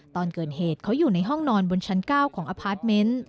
ตอนเกิดเหตุเขาอยู่ในห้องนอนบนชั้น๙ของอพาร์ทเมนต์